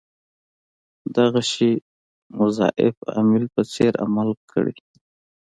دغه شي مضاعف عامل په څېر عمل کړی.